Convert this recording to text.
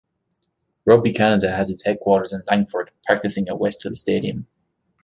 Rugby Canada has its headquarters in Langford practicing at Westhills Stadium.